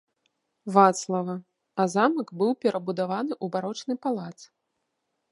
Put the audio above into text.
Вацлава, а замак быў перабудаваны ў барочны палац.